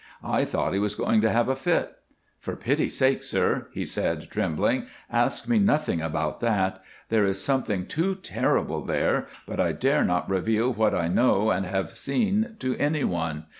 I thought he was going to have a fit. "For pity's sake, sir," he said, trembling, "ask me nothing about that. There is something too terrible there, but I dare not reveal what I know and have seen to anyone.